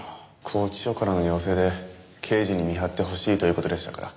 拘置所からの要請で刑事に見張ってほしいという事でしたから。